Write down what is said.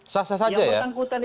sah sah saja ya